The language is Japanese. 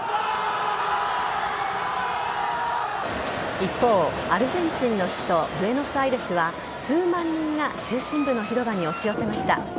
一方、アルゼンチンの首都ブエノスアイレスは、数万人が中心部の広場に押し寄せました。